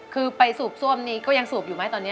คือไปสูบซ่วมนี้ก็ยังสูบอยู่ไหมตอนนี้